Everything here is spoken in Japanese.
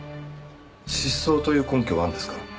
失踪という根拠はあるんですか？